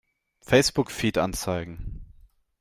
Facebook-Feed anzeigen!